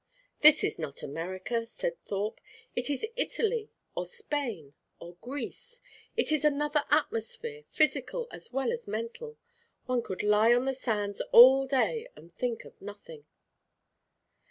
"This is not America," said Thorpe. "It is Italy or Spain or Greece. It is another atmosphere, physical as well as mental. One could lie on the sands all day and think of nothing."